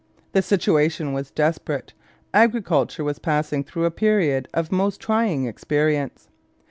The situation was desperate; agriculture was passing through a period of most trying experience.